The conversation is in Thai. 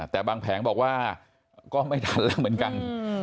แต่บางแผงบอกว่าก็ไม่ทันแล้วเหมือนกัน